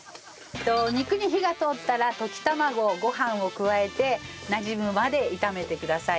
肉に火が通ったら溶き卵ごはんを加えてなじむまで炒めてください。